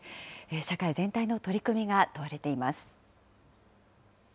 社会全体の取り組みが問われています。